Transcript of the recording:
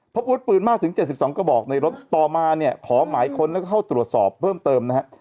พบอาวุธปืนมากถึง๗๒กระบอกในรถต่อมาเนี่ยขอหมายค้นแล้วก็เข้าตรวจสอบเพิ่มเติมนะฮะ